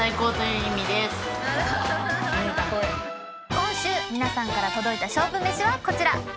今週皆さんから届いた勝負めしはこちら。